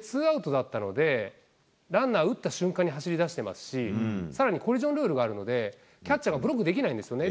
ツーアウトだったので、ランナー、打った瞬間に走りだしてますし、さらに、コリジョンルールがあるので、キャッチャーがブロックできないんですよね。